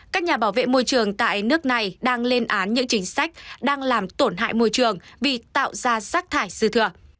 các nhà bảo vệ môi trường tại nước này đang lên án những chính sách đang làm tổn hại môi trường vì tạo ra rác thải dư thừa